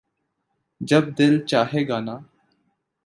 جب دل چاھے گانا